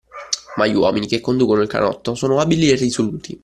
Ma gli uomini che conducono il canotto sono abili e risoluti.